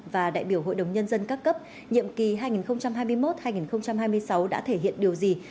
và đại biểu hội đồng nhân dân các cấp nhiệm kỳ hai nghìn hai mươi một hai nghìn hai mươi sáu đã thể hiện điều gì